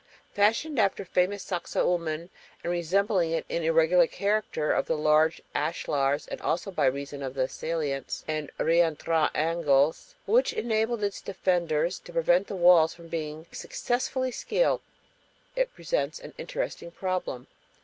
Fashioned after famous Sacsahuaman and resembling it in the irregular character of the large ashlars and also by reason of the salients and reëntrant angles which enabled its defenders to prevent the walls being successfully scaled, it presents an interesting problem.